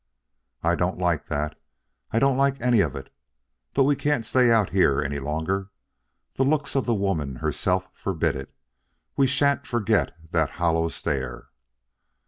"I don't like that; I don't like any of it. But we can't stay out here any longer. The looks of the woman herself forbid it. We sha'n't forget that hollow stare."